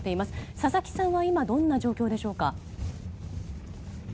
佐々木さんは今どんな状況でしょうか。